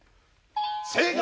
正解！